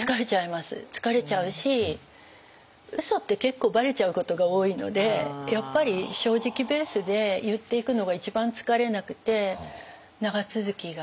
疲れちゃうしうそって結構ばれちゃうことが多いのでやっぱり正直ベースで言っていくのが一番疲れなくて長続きがする気がします。